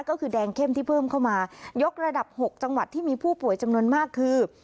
ก็คือแดงเข้มที่เพิ่มเข้ามายกระดับ๖จังหวัดที่มีผู้ป่วยจำนวนมากคือ